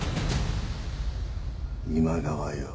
今川よ。